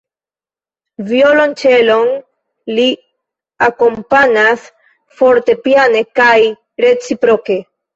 Violonĉelon; li akompanas fortepiane kaj reciproke.